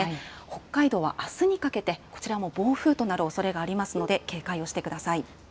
北海道はあすにかけて、こちらも暴風となるおそれがありますので警戒をしてください。